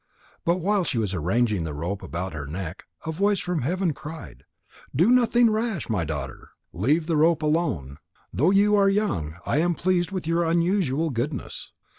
But while she was arranging the rope about her neck, a voice from heaven cried: "Do nothing rash, my daughter. Leave the rope alone. Though you are young, I am pleased with your unusual goodness.